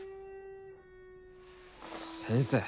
先生